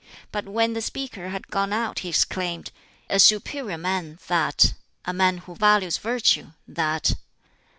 But when the speaker had gone out he exclaimed, "A superior man, that! A man who values virtue, that!"